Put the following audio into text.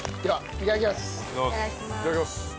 いただきます。